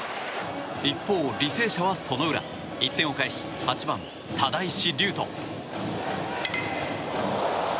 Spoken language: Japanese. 一方、履正社はその裏１点を返し８番、只石琉人。